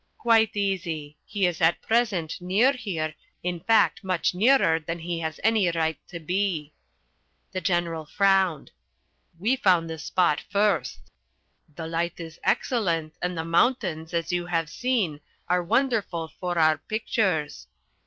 "Quite easy. He is at present near here, in fact much nearer than he has any right to be." The General frowned. "We found this spot first. The light is excellent and the mountains, as you have seen, are wonderful for our pictures.